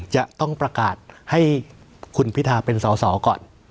จะต้องประกาศให้คุณพิทาเป็นสอสอก่อน